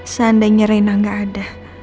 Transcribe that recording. seandainya reina gak ada